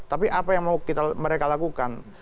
tapi apa yang mau mereka lakukan